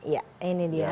ya ini dia